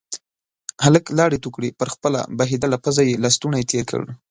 هلک لاړې تو کړې، پر خپله بهيدلې پزه يې لستوڼی تير کړ.